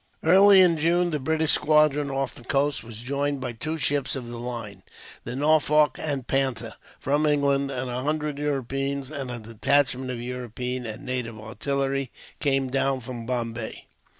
Early in June, the British squadron off the coast was joined by two ships of the line, the Norfolk and Panther, from England; and a hundred Europeans, and a detachment of European and native artillery came down from Bombay.